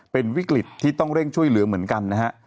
เป็นวิกฤตที่ต้องเร่งช่วยเหลือเหมือนกันนะฮะ